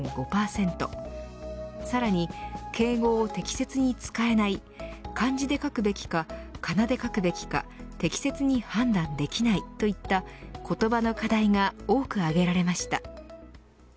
さらに敬語を適切に使えない漢字で書くべきか仮名で書くべきか適切に判断できないといった言葉の課題が多く挙げられました。